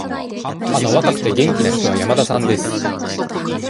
あの若くて、元気な人は山田さんです。